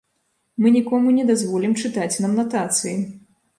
Мы нікому не дазволім чытаць нам натацыі.